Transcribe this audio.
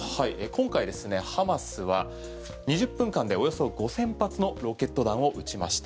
今回ですねハマスは２０分間でおよそ５０００発のロケット弾を打ちました。